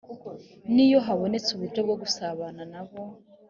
n iyo habonetse uburyo bwo gusabana na bo